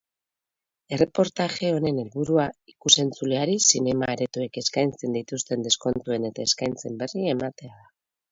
Erreportaje honen helburua ikus-entzuleari zinema-aretoek eskaintzen dituzten deskontuen eta eskaintzen berri ematea da.